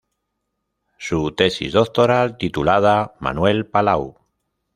Su tesis doctoral titulada: "Manuel Palau.